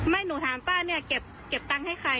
ไม่หนูถามป้าเก็บตังค์ให้ใคร